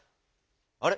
あれ？